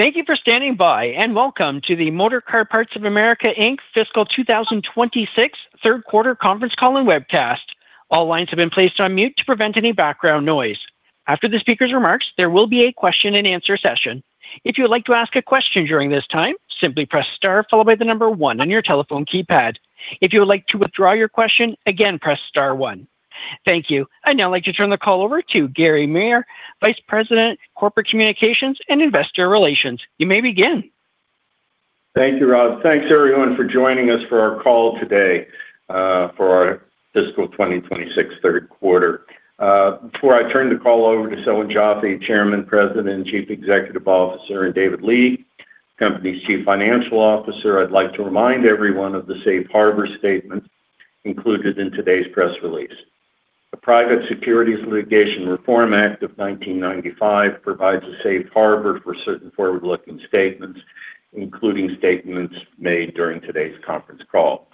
Thank you for standing by, and welcome to the Motorcar Parts of America, Inc. Fiscal 2026 Third Quarter Conference Call and Webcast. All lines have been placed on mute to prevent any background noise. After the speaker's remarks, there will be a question-and-answer session. If you would like to ask a question during this time, simply press star followed by the number one on your telephone keypad. If you would like to withdraw your question, again press star one. Thank you. I'd now like to turn the call over to Gary Maier, Vice President Corporate Communications and Investor Relations. You may begin. Thank you, Rob. Thanks, everyone, for joining us for our call today, for our Fiscal 2026 Third Quarter. Before I turn the call over to Selwyn Joffe, Chairman, President, Chief Executive Officer, and David Lee, the Company's Chief Financial Officer, I'd like to remind everyone of the Safe Harbor Statements included in today's press release. The Private Securities Litigation Reform Act of 1995 provides a safe harbor for certain forward-looking statements, including statements made during today's conference call.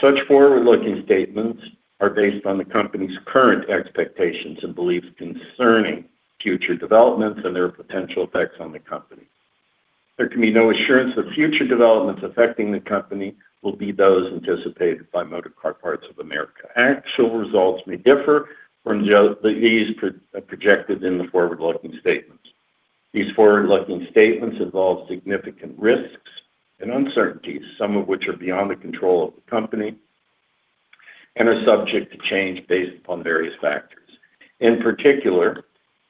Such forward-looking statements are based on the company's current expectations and beliefs concerning future developments and their potential effects on the company. There can be no assurance that future developments affecting the company will be those anticipated by Motorcar Parts of America. Actual results may differ from those projected in the forward-looking statements. These forward-looking statements involve significant risks and uncertainties, some of which are beyond the control of the company and are subject to change based upon various factors. In particular,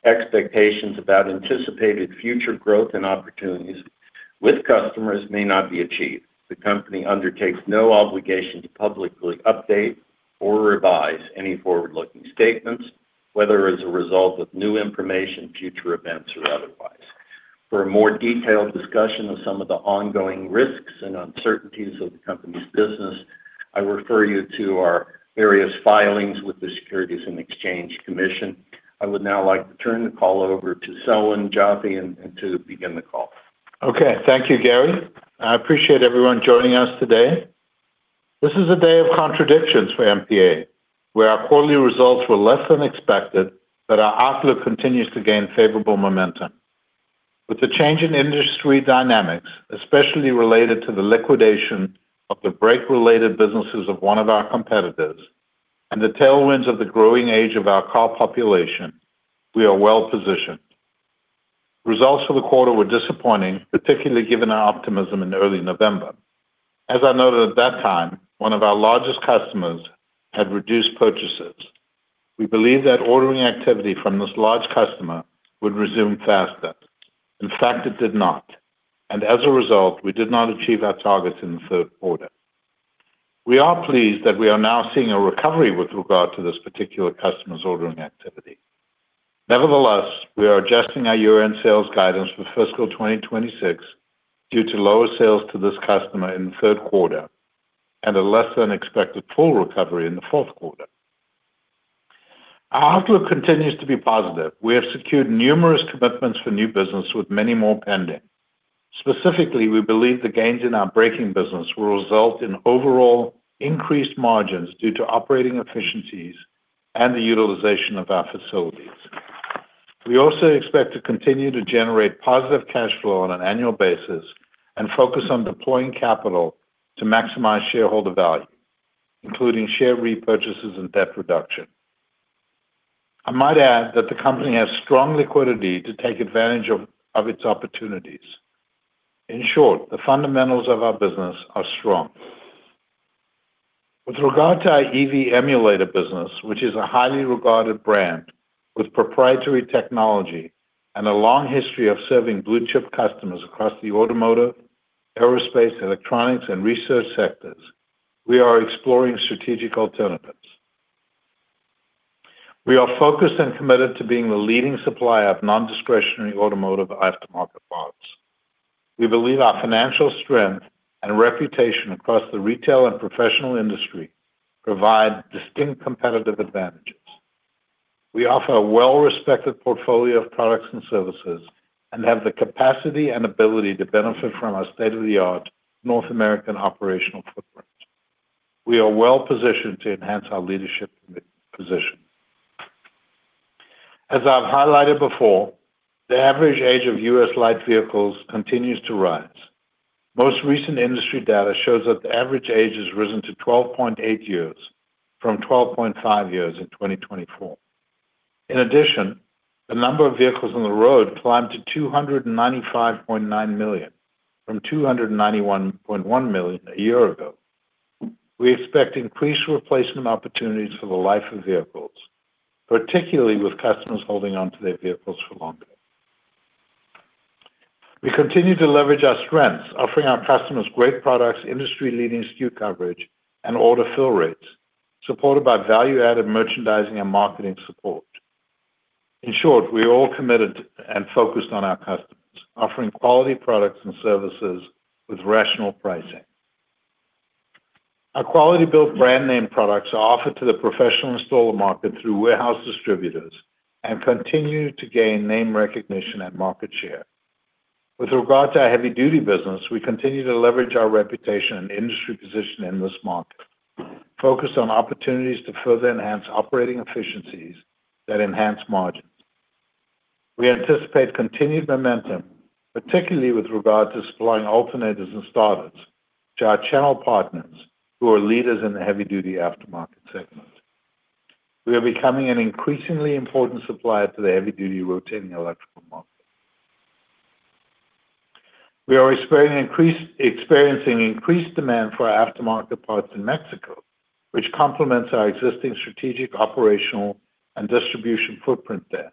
expectations about anticipated future growth and opportunities with customers may not be achieved. The company undertakes no obligation to publicly update or revise any forward-looking statements, whether as a result of new information, future events, or otherwise. For a more detailed discussion of some of the ongoing risks and uncertainties of the company's business, I refer you to our various filings with the Securities and Exchange Commission. I would now like to turn the call over to Selwyn Joffe and to begin the call. Okay. Thank you, Gary. I appreciate everyone joining us today. This is a day of contradictions for MPA, where our quarterly results were less than expected, but our outlook continues to gain favorable momentum. With the change in industry dynamics, especially related to the liquidation of the brake-related businesses of one of our competitors, and the tailwinds of the growing age of our car population, we are well positioned. Results for the quarter were disappointing, particularly given our optimism in early November. As I noted at that time, one of our largest customers had reduced purchases. We believed that ordering activity from this large customer would resume faster. In fact, it did not, and as a result, we did not achieve our targets in the third quarter. We are pleased that we are now seeing a recovery with regard to this particular customer's ordering activity. Nevertheless, we are adjusting our year-end sales guidance for fiscal 2026 due to lower sales to this customer in the third quarter and a less-than-expected full recovery in the fourth quarter. Our outlook continues to be positive. We have secured numerous commitments for new business, with many more pending. Specifically, we believe the gains in our braking business will result in overall increased margins due to operating efficiencies and the utilization of our facilities. We also expect to continue to generate positive cash flow on an annual basis and focus on deploying capital to maximize shareholder value, including share repurchases and debt reduction. I might add that the company has strong liquidity to take advantage of its opportunities. In short, the fundamentals of our business are strong. With regard to our EV Emulator business, which is a highly regarded brand with proprietary technology and a long history of serving blue-chip customers across the automotive, aerospace, electronics, and research sectors, we are exploring strategic alternatives. We are focused and committed to being the leading supplier of nondiscretionary automotive aftermarket parts. We believe our financial strength and reputation across the retail and professional industry provide distinct competitive advantages. We offer a well-respected portfolio of products and services and have the capacity and ability to benefit from our state-of-the-art North American operational footprint. We are well positioned to enhance our leadership commit position. As I've highlighted before, the average age of U.S. light vehicles continues to rise. Most recent industry data shows that the average age has risen to 12.8 years from 12.5 years in 2024. In addition, the number of vehicles on the road climbed to 295.9 million from 291.1 million a year ago. We expect increased replacement opportunities for the life of vehicles, particularly with customers holding onto their vehicles for longer. We continue to leverage our strengths, offering our customers great products, industry-leading SKU coverage, and order fill rates, supported by value-added merchandising and marketing support. In short, we are all committed to and focused on our customers, offering quality products and services with rational pricing. Our Quality-Built brand-name products are offered to the professional installer market through warehouse distributors and continue to gain name recognition and market share. With regard to our Heavy Duty business, we continue to leverage our reputation and industry position in this market, focused on opportunities to further enhance operating efficiencies that enhance margins. We anticipate continued momentum, particularly with regard to supplying alternators and starters, to our channel partners who are leaders in the Heavy Duty aftermarket segment. We are becoming an increasingly important supplier to the Heavy Duty rotating electrical market. We are experiencing increased demand for our aftermarket parts in Mexico, which complements our existing strategic operational and distribution footprint there.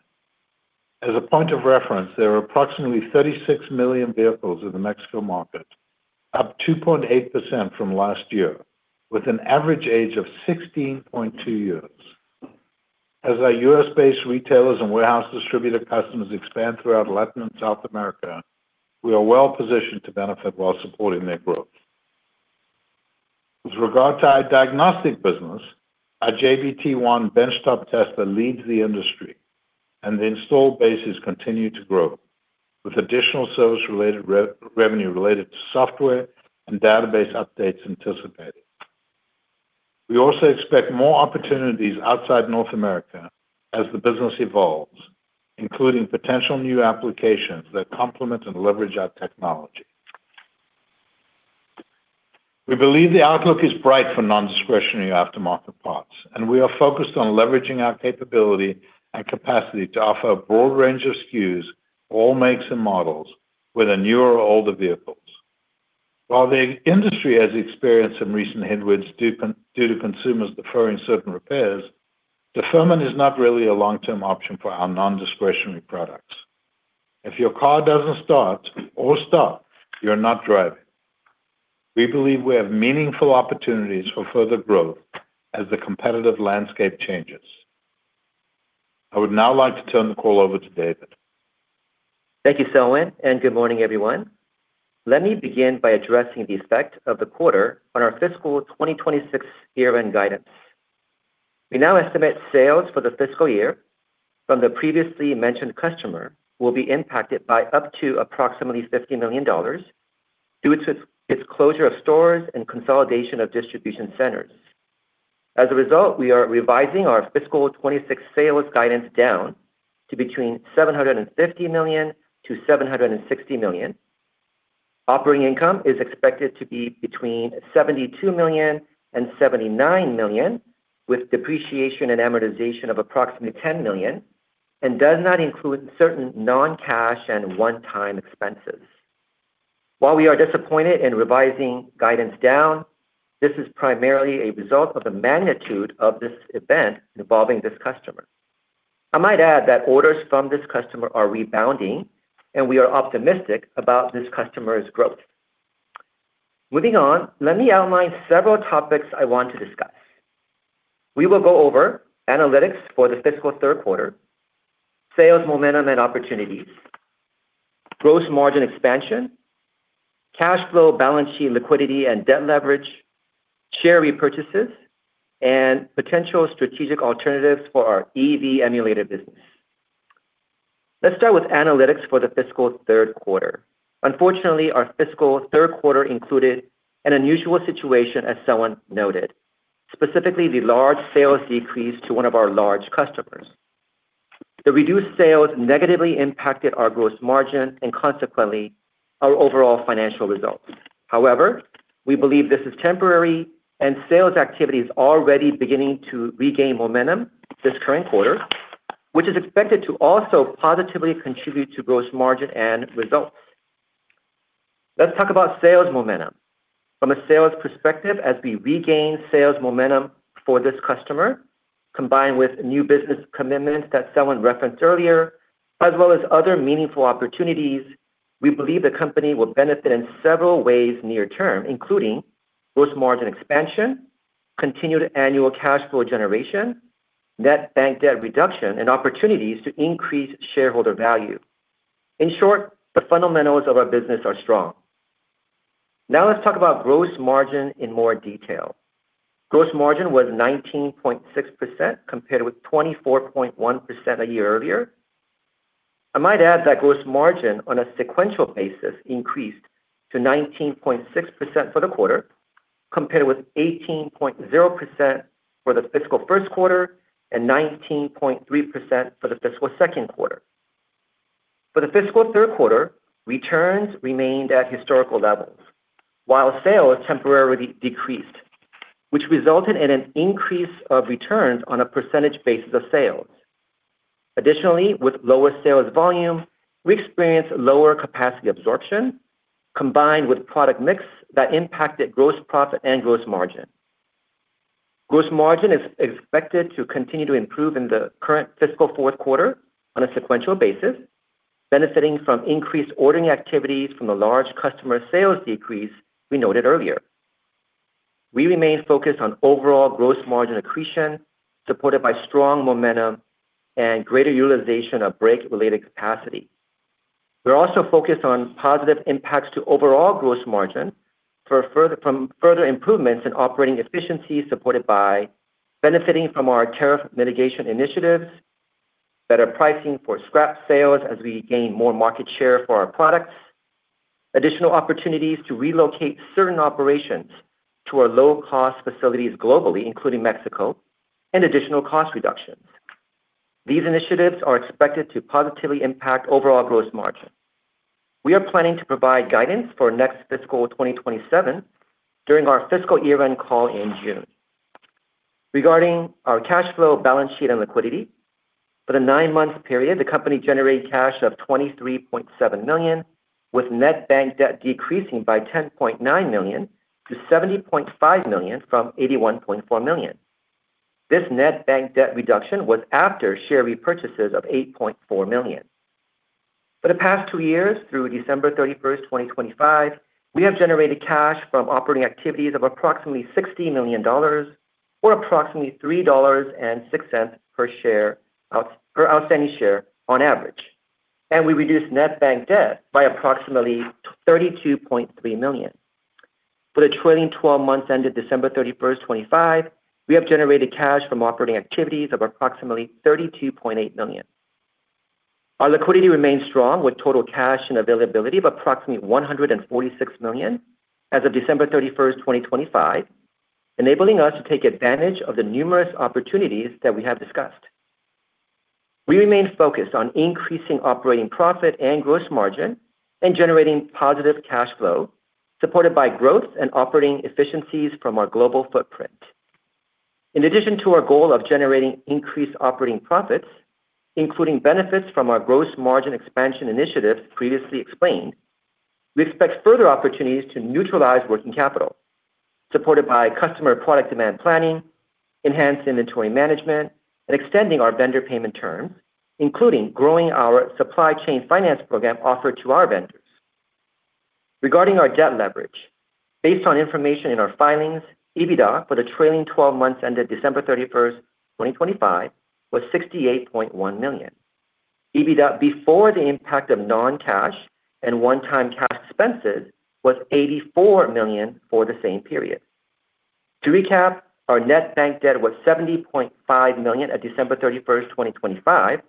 As a point of reference, there are approximately 36 million vehicles in the Mexico market, up 2.8% from last year, with an average age of 16.2 years. As our U.S.-based retailers and warehouse distributor customers expand throughout Latin and South America, we are well positioned to benefit while supporting their growth. With regard to our diagnostic business, our JBT-1 bench top tester leads the industry, and the installed base has continued to grow, with additional service-related recurring revenue related to software and database updates anticipated. We also expect more opportunities outside North America as the business evolves, including potential new applications that complement and leverage our technology. We believe the outlook is bright for nondiscretionary aftermarket parts, and we are focused on leveraging our capability and capacity to offer a broad range of SKUs, all makes and models, whether newer or older vehicles. While the industry has experienced some recent headwinds due to consumers deferring certain repairs, deferment is not really a long-term option for our nondiscretionary products. If your car doesn't start or stop, you're not driving. We believe we have meaningful opportunities for further growth as the competitive landscape changes. I would now like to turn the call over to David. Thank you, Selwyn, and good morning, everyone. Let me begin by addressing the effect of the quarter on our fiscal 2026 year-end guidance. We now estimate sales for the fiscal year from the previously mentioned customer will be impacted by up to approximately $50 million due to its closure of stores and consolidation of distribution centers. As a result, we are revising our fiscal 2026 sales guidance down to between $750 million-$760 million. Operating income is expected to be between $72 million and $79 million, with depreciation and amortization of approximately $10 million, and does not include certain non-cash and one-time expenses. While we are disappointed in revising guidance down, this is primarily a result of the magnitude of this event involving this customer. I might add that orders from this customer are rebounding, and we are optimistic about this customer's growth. Moving on, let me outline several topics I want to discuss. We will go over analytics for the fiscal third quarter, sales momentum and opportunities, gross margin expansion, cash flow, balance sheet liquidity, and debt leverage, share repurchases, and potential strategic alternatives for our EV Emulator business. Let's start with analytics for the fiscal third quarter. Unfortunately, our fiscal third quarter included an unusual situation, as Selwyn noted, specifically the large sales decrease to one of our large customers. The reduced sales negatively impacted our gross margin and, consequently, our overall financial results. However, we believe this is temporary, and sales activity is already beginning to regain momentum this current quarter, which is expected to also positively contribute to gross margin and results. Let's talk about sales momentum. From a sales perspective, as we regain sales momentum for this customer, combined with new business commitments that Selwyn referenced earlier, as well as other meaningful opportunities, we believe the company will benefit in several ways near term, including gross margin expansion, continued annual cash flow generation, net bank debt reduction, and opportunities to increase shareholder value. In short, the fundamentals of our business are strong. Now let's talk about gross margin in more detail. Gross margin was 19.6% compared with 24.1% a year earlier. I might add that gross margin, on a sequential basis, increased to 19.6% for the quarter, compared with 18.0% for the fiscal first quarter and 19.3% for the fiscal second quarter. For the fiscal third quarter, returns remained at historical levels, while sales temporarily decreased, which resulted in an increase of returns on a percentage basis of sales. Additionally, with lower sales volume, we experienced lower capacity absorption, combined with product mix that impacted gross profit and gross margin. Gross margin is expected to continue to improve in the current fiscal fourth quarter on a sequential basis, benefiting from increased ordering activities from the large customer sales decrease we noted earlier. We remain focused on overall gross margin accretion, supported by strong momentum and greater utilization of brake-related capacity. We're also focused on positive impacts to overall gross margin for further improvements in operating efficiencies, supported by benefiting from our tariff mitigation initiatives, better pricing for scrap sales as we gain more market share for our products, additional opportunities to relocate certain operations to our low-cost facilities globally, including Mexico, and additional cost reductions. These initiatives are expected to positively impact overall gross margin. We are planning to provide guidance for next fiscal 2027 during our fiscal year-end call in June. Regarding our cash flow, balance sheet, and liquidity, for the nine-month period, the company generated cash of $23.7 million, with net bank debt decreasing by $10.9 million-$70.5 million from $81.4 million. This net bank debt reduction was after share repurchases of $8.4 million. For the past two years, through December 31st, 2025, we have generated cash from operating activities of approximately $60 million or approximately $3.06 per share outstanding share on average, and we reduced net bank debt by approximately $32.3 million. For the trailing 12 months ended December 31st, 2025, we have generated cash from operating activities of approximately $32.8 million. Our liquidity remains strong, with total cash and availability of approximately $146 million as of December 31st, 2025, enabling us to take advantage of the numerous opportunities that we have discussed. We remain focused on increasing operating profit and gross margin and generating positive cash flow, supported by growth and operating efficiencies from our global footprint. In addition to our goal of generating increased operating profits, including benefits from our gross margin expansion initiatives previously explained, we expect further opportunities to neutralize working capital, supported by customer product demand planning, enhanced inventory management, and extending our vendor payment terms, including growing our supply chain finance program offered to our vendors. Regarding our debt leverage, based on information in our filings, EBITDA for the trailing 12 months ended December 31st, 2025, was $68.1 million. EBITDA before the impact of non-cash and one-time cash expenses was $84 million for the same period. To recap, our net bank debt was $70.5 million at December 31st, 2025,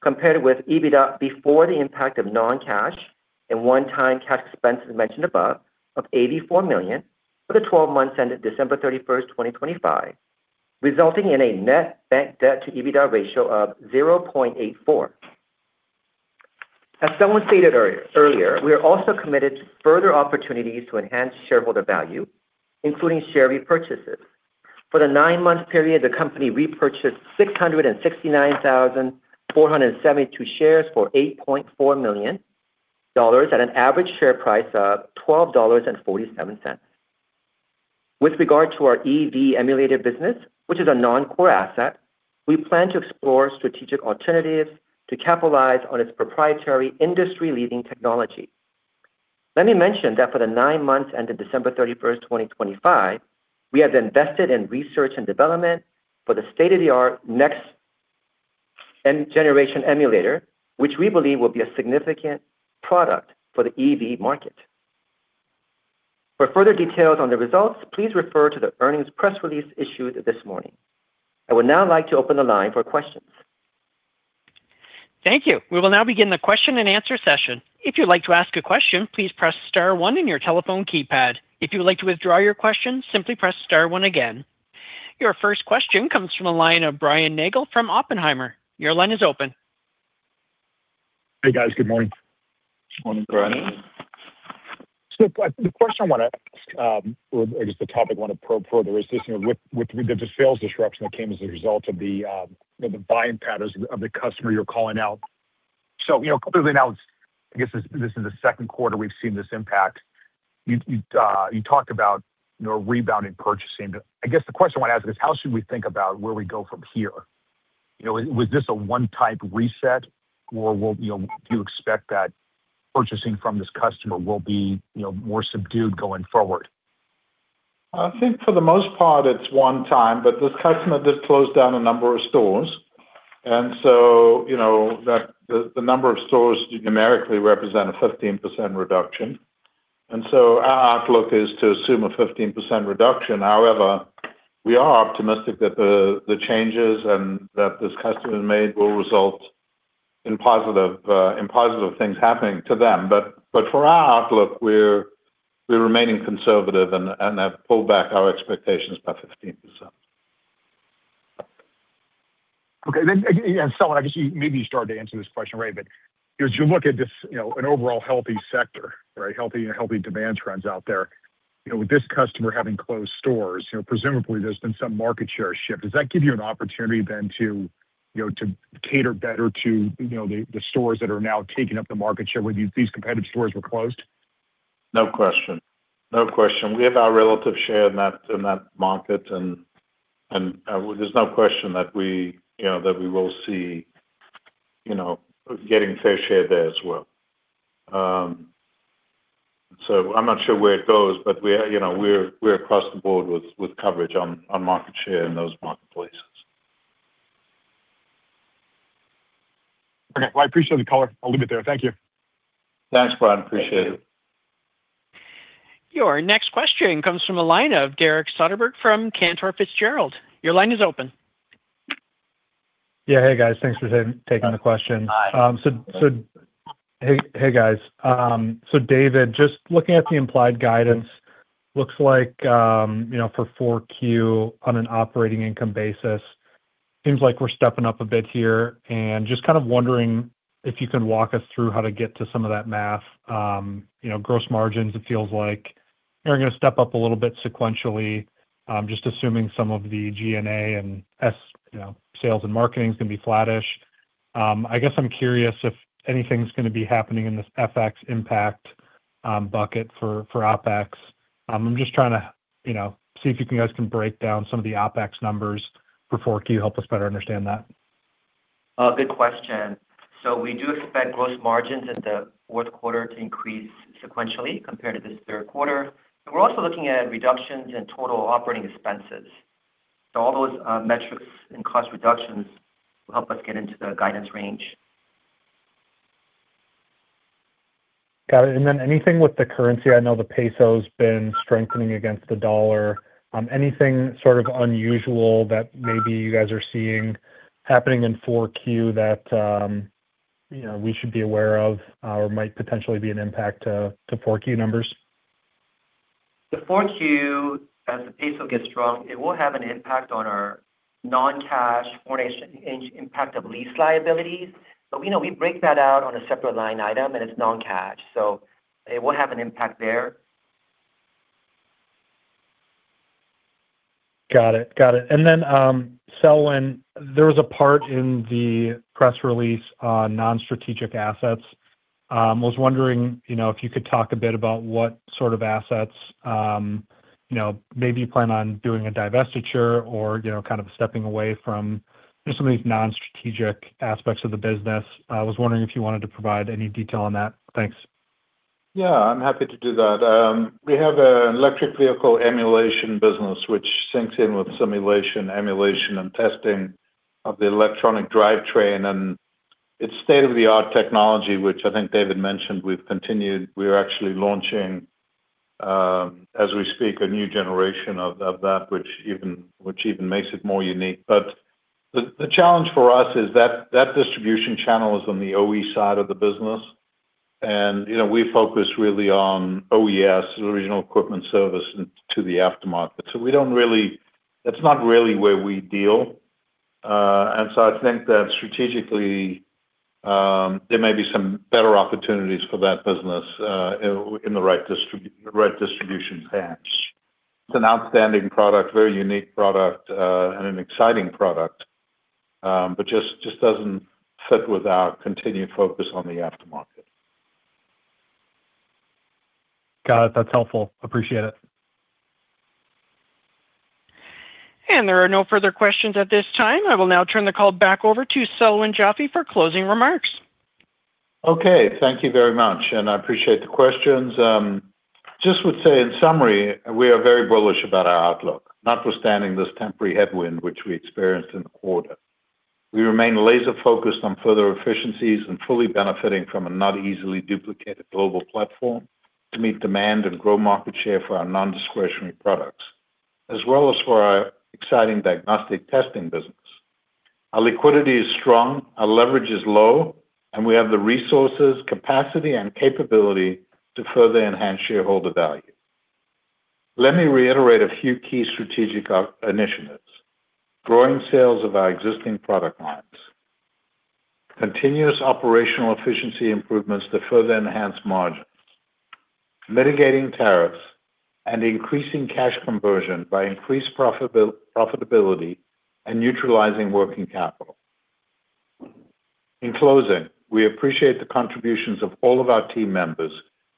compared with EBITDA before the impact of non-cash and one-time cash expenses mentioned above of $84 million for the 12 months ended December 31st, 2025, resulting in a net bank debt to EBITDA ratio of 0.84. As Selwyn stated earlier, we are also committed to further opportunities to enhance shareholder value, including share repurchases. For the nine-month period, the company repurchased 669,472 shares for $8.4 million at an average share price of $12.47. With regard to our EV Emulator business, which is a non-core asset, we plan to explore strategic alternatives to capitalize on its proprietary industry-leading technology. Let me mention that for the nine months ended December 31st, 2025, we have invested in research and development for the state-of-the-art next-generation emulator, which we believe will be a significant product for the EV market. For further details on the results, please refer to the earnings press release issued this morning. I would now like to open the line for questions. Thank you. We will now begin the question and answer session. If you'd like to ask a question, please press star one in your telephone keypad. If you would like to withdraw your question, simply press star one again. Your first question comes from a line of Brian Nagel from Oppenheimer. Your line is open. Hey, guys. Good morning. Good morning, Brian. So the question I want to ask, or just the topic I want to probe further, is this with the sales disruption that came as a result of the buying patterns of the customer you're calling out. So clearly now, I guess this is the second quarter we've seen this impact. You talked about rebounding purchasing. I guess the question I want to ask is, how should we think about where we go from here? Was this a one-time reset, or do you expect that purchasing from this customer will be more subdued going forward? I think for the most part, it's one time, but this customer did close down a number of stores, and so the number of stores numerically represent a 15% reduction. And so our outlook is to assume a 15% reduction. However, we are optimistic that the changes and that this customer has made will result in positive things happening to them. But for our outlook, we're remaining conservative and have pulled back our expectations by 15%. Okay. Then, Selwyn, I guess maybe you started to answer this question already, but as you look at an overall healthy sector, healthy demand trends out there, with this customer having closed stores, presumably there's been some market share shift. Does that give you an opportunity then to cater better to the stores that are now taking up the market share when these competitive stores were closed? No question. No question. We have our relative share in that market, and there's no question that we will see getting fair share there as well. So I'm not sure where it goes, but we're across the board with coverage on market share in those marketplaces. Okay. Well, I appreciate the color. I'll leave it there. Thank you. Thanks, Brian. Appreciate it. Your next question comes from a line of Derek Soderberg from Cantor Fitzgerald. Your line is open. Yeah. Hey, guys. Thanks for taking the question. Hi. So hey, guys. So David, just looking at the implied guidance, looks like for 4Q on an operating income basis, it seems like we're stepping up a bit here. And just kind of wondering if you can walk us through how to get to some of that math. Gross margins, it feels like, are going to step up a little bit sequentially, just assuming some of the G&A and sales and marketing is going to be flattish. I guess I'm curious if anything's going to be happening in this FX impact bucket for OpEx. I'm just trying to see if you guys can break down some of the OpEx numbers for 4Q, help us better understand that. Good question. We do expect gross margins in the fourth quarter to increase sequentially compared to this third quarter. We're also looking at reductions in total operating expenses. All those metrics and cost reductions will help us get into the guidance range. Got it. And then anything with the currency? I know the peso's been strengthening against the dollar. Anything sort of unusual that maybe you guys are seeing happening in 4Q that we should be aware of or might potentially be an impact to 4Q numbers? The 4Q, as the peso gets strong, it will have an impact on our non-cash foreign exchange impact of lease liabilities. But we break that out on a separate line item, and it's non-cash. So it will have an impact there. Got it. Got it. And then, Selwyn, there was a part in the press release on non-strategic assets. I was wondering if you could talk a bit about what sort of assets maybe you plan on doing a divestiture or kind of stepping away from some of these non-strategic aspects of the business. I was wondering if you wanted to provide any detail on that. Thanks. Yeah. I'm happy to do that. We have an Electric Vehicle Emulation business, which syncs in with simulation, emulation, and testing of the electronic drivetrain. It's state-of-the-art technology, which I think David mentioned we've continued. We are actually launching, as we speak, a new generation of that, which even makes it more unique. But the challenge for us is that distribution channel is on the OE side of the business. We focus really on OES, Original Equipment Service, and to the aftermarket. So that's not really where we deal. I think that strategically, there may be some better opportunities for that business in the right distribution paths. It's an outstanding product, very unique product, and an exciting product, but just doesn't fit with our continued focus on the aftermarket. Got it. That's helpful. Appreciate it. There are no further questions at this time. I will now turn the call back over to Selwyn Joffe for closing remarks. Okay. Thank you very much. I appreciate the questions. Just would say, in summary, we are very bullish about our outlook, notwithstanding this temporary headwind which we experienced in the quarter. We remain laser-focused on further efficiencies and fully benefiting from a not-easily duplicated global platform to meet demand and grow market share for our nondiscretionary products, as well as for our exciting diagnostic testing business. Our liquidity is strong. Our leverage is low. And we have the resources, capacity, and capability to further enhance shareholder value. Let me reiterate a few key strategic initiatives: growing sales of our existing product lines, continuous operational efficiency improvements to further enhance margins, mitigating tariffs, and increasing cash conversion by increased profitability and neutralizing working capital. In closing, we appreciate the contributions of all of our team members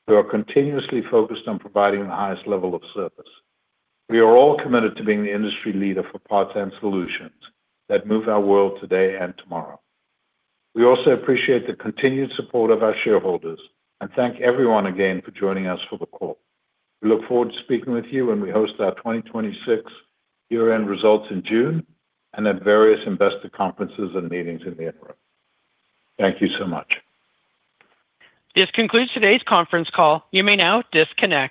who are continuously focused on providing the highest level of service. We are all committed to being the industry leader for parts and solutions that move our world today and tomorrow. We also appreciate the continued support of our shareholders and thank everyone again for joining us for the call. We look forward to speaking with you when we host our 2026 year-end results in June and at various investor conferences and meetings in the interim. Thank you so much. This concludes today's conference call. You may now disconnect.